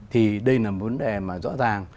thì đây là vấn đề mà rõ ràng